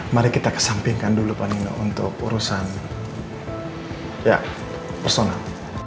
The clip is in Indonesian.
mari kita kesampingkan dulu pak nino untuk urusan personal